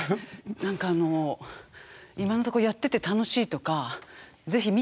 何かあの今のとこやってて楽しいとかでしょう？